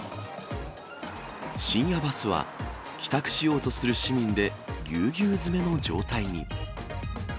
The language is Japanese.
深夜バスは、帰宅しようとする市民でぎゅうぎゅう詰めの状態に。